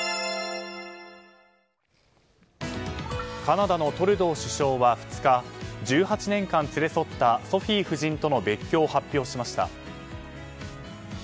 カナダのトルドー首相は２日１８年間連れ添ったソフィー夫人との別居を発表しました。